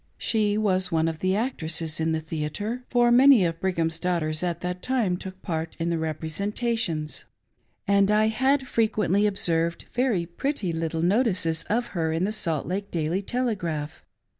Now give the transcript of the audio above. She was one of the actresses in the theatrer rfor many of Brighajfti's daughters at that time tooi part in the representations — aijd I had frequently observed very pretty little notices of her in the Salt Lake Daily Telegraph.